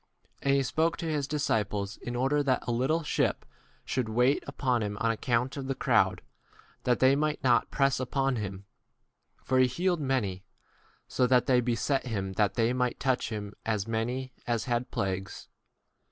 And he spoke to his disci ples in order that a little ship should wait upon him on account of the crowd, that they might not 10 press upon him. For he healed many, so that they beset him that they might touch him as 11 many as had plagues.